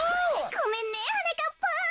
ごめんねはなかっぱん。